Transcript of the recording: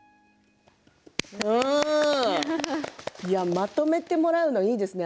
まとめてもらうのはいいですね。